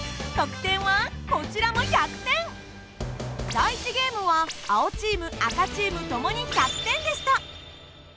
第１ゲームは青チーム赤チームともに１００点でした。